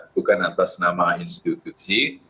bukan atas nama institusi